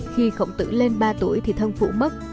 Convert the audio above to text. khi khổng tử lên ba tuổi thì thân phụ mất